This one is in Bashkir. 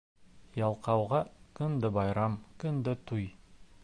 Ялҡауға көндә байрам, көндә туй.